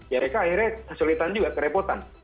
ya mereka akhirnya kesulitan juga kerepotan